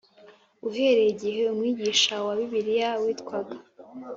Uhereye igihe umwigishwa wa bibiliya witwaga